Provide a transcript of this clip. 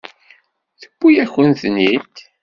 Tewwi-yakent-ten-id.